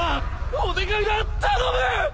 お願いだ頼む！